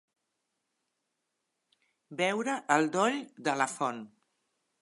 Beure al doll de la font.